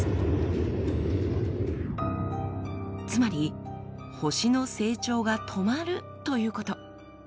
つまり星の成長が止まるということ。